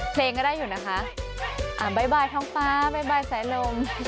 เพลงก็ได้อยู่นะคะบ๊ายบายท้องฟ้าบ๊ายบายสายลม